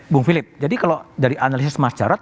bung philip jadi kalau dari analisis mas jarod